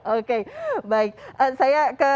oke baik saya ke